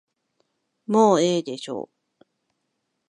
もうええでしょう。